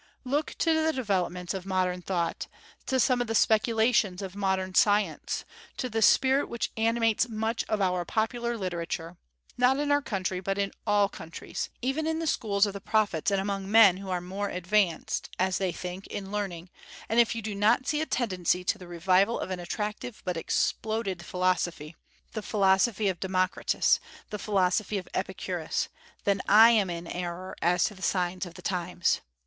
Look to the developments of modern thought, to some of the speculations of modern science, to the spirit which animates much of our popular literature, not in our country but in all countries, even in the schools of the prophets and among men who are "more advanced," as they think, in learning, and if you do not see a tendency to the revival of an attractive but exploded philosophy, the philosophy of Democritus; the philosophy of Epicurus, then I am in an error as to the signs of the times.